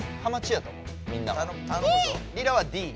リラはＤ。